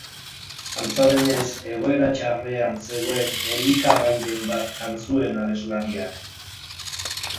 Antza denez, egoera txarrean zegoen elikagairen bat jan zuen abeslariak.